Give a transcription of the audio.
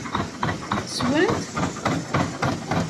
Ssewwen-t?